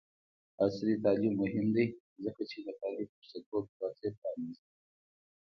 عصري تعلیم مهم دی ځکه چې د کاري فرصتونو دروازې پرانیزي.